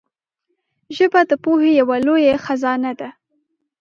ژبه د پوهې یو لوی خزانه ده